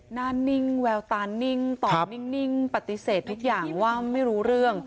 หน้านิ่งแววตานิ่งตอบนิ่งปฏิเสธทุกอย่างว่าไม่รู้เรื่อง